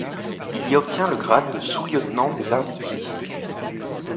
Il y obtient le grade de sous-lieutenant des Arditi.